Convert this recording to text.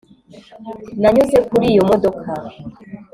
nanyuze kuri iyo modoka